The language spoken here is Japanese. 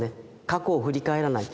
過去を振り返らない。